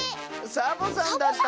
サボさんだったのか。